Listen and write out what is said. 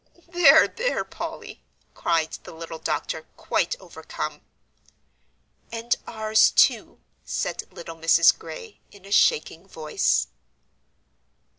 "There there, Polly," cried the little doctor, quite overcome. "And ours, too," said little Mrs. Gray, in a shaking voice.